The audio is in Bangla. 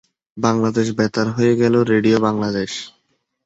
বাংলাদেশ বেতার হয়ে গেল রেডিও বাংলাদেশ।